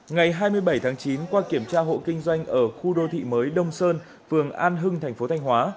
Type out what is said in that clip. ngày hai mươi bảy tháng chín qua kiểm tra hộ kinh doanh ở khu đô thị mới đông sơn phường an hưng thành phố thanh hóa